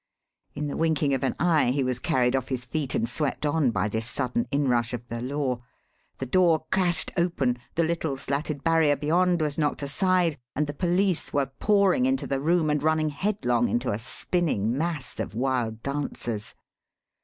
In the winking of an eye he was carried off his feet and swept on by this sudden inrush of the law; the door clashed open, the little slatted barrier beyond was knocked aside, and the police were pouring into the room and running headlong into a spinning mass of wild dancers.